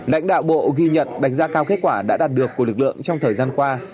lãnh đạo bộ ghi nhận đánh giá cao kết quả đã đạt được của lực lượng trong thời gian qua